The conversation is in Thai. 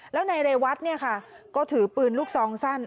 แล้วนายเรวัตเนี่ยค่ะก็ถือปืนลูกซองสั้น